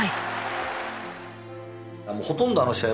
もうほとんどあの試合